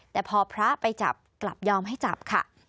แต่พอพระไปจับกลับยอมให้จับค่ะ